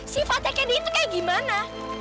sifatnya candy itu kayak gimana